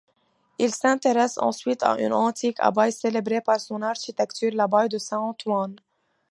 Il s'intéresse ensuite à une antique abbaye, célèbre par son architecture, l'abbaye de Saint-Antoine.